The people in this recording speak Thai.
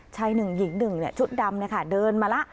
ชายหนึ่งหญิงหนึ่งเนี่ยชุดดำนะคะเดินมาล่ะ